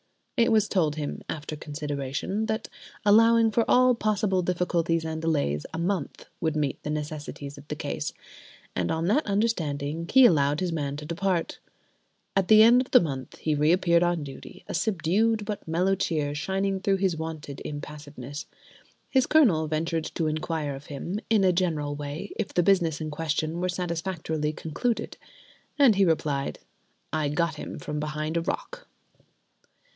It was told him, after consideration, that, allowing for all possible difficulties and delays, a month would meet the necessities of the case; and on that understanding he allowed his man to depart. At the end of the month he reappeared on duty, a subdued but mellow cheer shining through his wonted impassiveness. His Colonel ventured to inquire of him, in a general way, if the business in question were satisfactorily concluded. And he replied: "I got him from behind a rock."